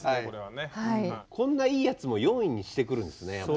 こんないいやつも４位にしてくるんですねやっぱ。